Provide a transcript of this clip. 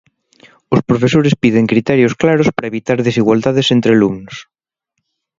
Os profesores piden criterios claros para evitar desigualdades entre alumnos.